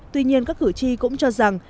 tuy nhiên các cử tri cũng cho rằng